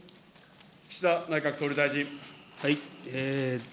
岸田内閣総理大臣。